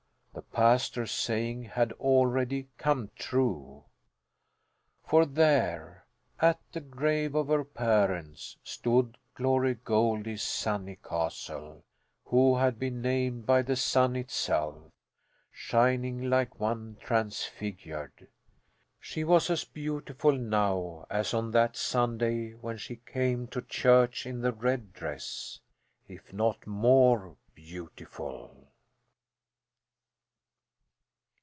The pastor's saying had already come true. For there, at the grave of her parents, stood Glory Goldie Sunnycastle, who had been named by the Sun itself, shining like one transfigured! She was as beautiful now as on that Sunday when she came to church in the red dress, if not more beautiful.